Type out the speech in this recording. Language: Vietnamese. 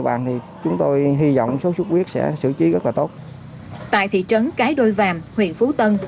bàn chúng tôi hy vọng sốt xuất huyết sẽ xử trí rất là tốt tại thị trấn cái đôi vàm huyện phú tân